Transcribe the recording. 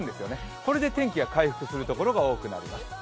これで天気が回復していく所が多くなります。